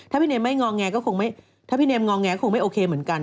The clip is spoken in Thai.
ถ้าพี่เมมไม่งอแงก็คงไม่ถ้าพี่เมมงอแงคงไม่โอเคเหมือนกัน